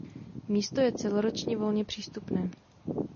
Místo je celoročně volně přístupné.